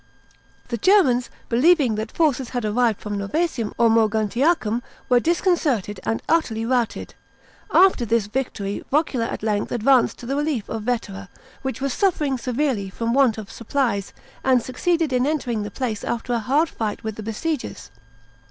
The Germans, believing tl at forces had arrived from Novsesium or Moguntiacum, were disconcerted ana utterly routed. After this victory Vocula at length advanced to the relief of Vetera, which was suffering severely from want oi supplies, and succeeded in entering the place after a hard fi<iht with the besiegers.